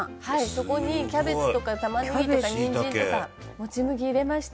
そこにキャベツとか玉ねぎとかにんじんとかもち麦入れました。